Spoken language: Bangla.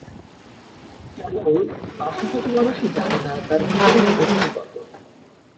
কেবল আশাহত মানুষই জানেনা তার ভেতরের শক্তি কত!